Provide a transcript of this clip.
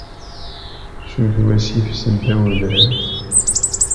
Sut Wasif seddaw udrar.